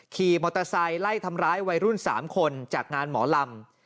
ขี่มอเตอร์ไซค์ไล่ทำร้ายวัยรุ่น๓คนจากงานหมอลำ